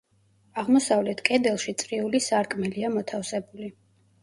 აღმოსავლეთ კედელში წრიული სარკმელია მოთავსებული.